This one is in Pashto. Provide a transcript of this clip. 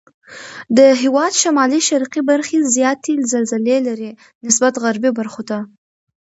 د هېواد شمال شرقي برخې زیاتې زلزلې لري نسبت غربي برخو ته.